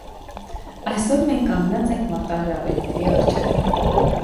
Այսօր մենք կանգնած ենք մարտահրավերների առջև։